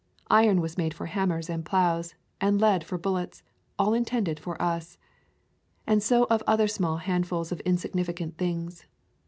Iron was made for hammers and ploughs, and lead for bullets; all intended for us. And so of other small hand fuls of insignificant things.